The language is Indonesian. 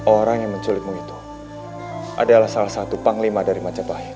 orang yang menculikmu itu adalah salah satu panglima dari majapahit